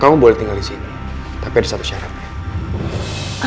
kamu boleh tinggal di sini tapi ada satu syaratnya